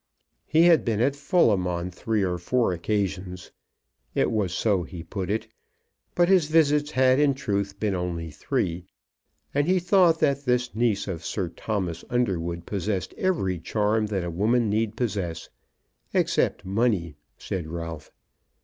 He had been at Fulham on three or four occasions, it was so he put it, but his visits had, in truth, been only three, and he thought that this niece of Sir Thomas Underwood possessed every charm that a woman need possess, "except money," said Ralph.